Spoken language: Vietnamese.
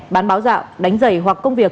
bán báo dạo đánh giày hoặc công việc